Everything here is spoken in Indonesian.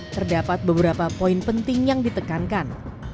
terdapat beberapa poin penting yang ditekankan